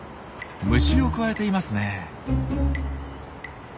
虫をくわえていますね。